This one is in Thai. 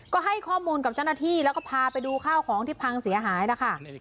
ก็ให้ข้อมูลกับเจ้าหน้าที่แล้วก็พาไปดูข้าวของที่พังเสียหายนะคะ